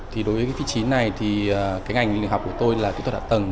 thì đối với cái vị trí này thì cái ngành luyện học của tôi là kỹ thuật đạt tầng